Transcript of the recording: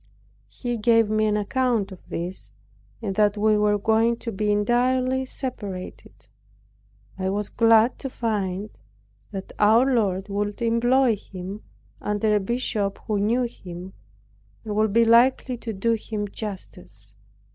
He gave me an account of this, and that we were going to be entirely separated. I was glad to find that our Lord would employ him, under a bishop who knew him, and would be likely to do him justice.